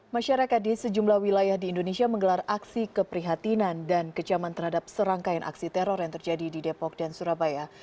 masyarakat di sejumlah wilayah di indonesia menggelar aksi keprihatinan dan kejaman terhadap serangkaian aksi teror yang terjadi di depok dan surabaya